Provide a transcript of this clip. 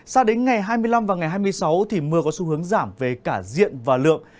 sao đến ngày hai mươi năm và ngày hai mươi sáu thì mưa có xu hướng giảm về cả diện và lượng